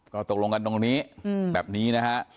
ก็ตกลงกันตรงนี้แบบนี้นะฮะ